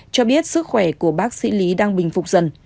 cho biết sức khỏe của bác sĩ lý đang bình phục dần